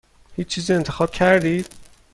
هیچ چیزی انتخاب کردید؟